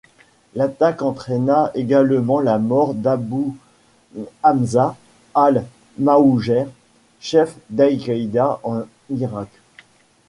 L'attaque entraîna également la mort d'Abou Hamza al-Mouhajer, chef d'Al-Qaida en Irak.